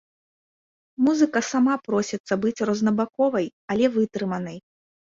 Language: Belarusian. Музыка сама просіцца быць рознабаковай, але вытрыманай.